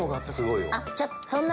あっちょっとそんな。